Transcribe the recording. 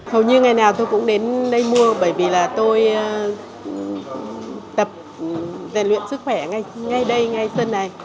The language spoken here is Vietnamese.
hầu như ngày nào tôi cũng đến đây mua bởi vì là tôi tập luyện sức khỏe ngay đây ngay sân này